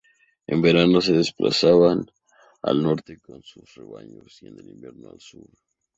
En verano se desplazaban al norte con sus rebaños y en invierno, al sur.